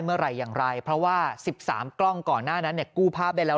เมื่อไหร่อย่างไรเพราะว่า๑๓กล้องก่อนหน้านั้นเนี่ยกู้ภาพได้แล้ว